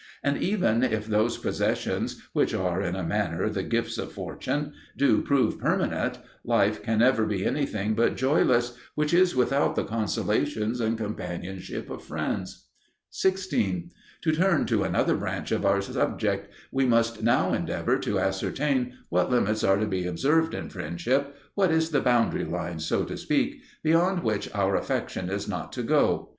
And even if those possessions, which are, in a manner, the gifts of fortune, do prove permanent, life can never be anything but joyless which is without the consolations and companionship of friends. 16. To turn to another branch of our subject. We must now endeavour to ascertain what limits are to be observed in friendship what is the boundary line, so to speak, beyond which our affection is not to go.